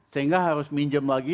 sehingga harus minjem lagi